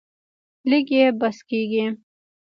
لږ یې بس کیږي.